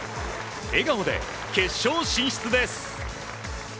笑顔で決勝進出です！